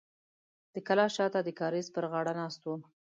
د کلا شاته د کاریز پر غاړه ناست و.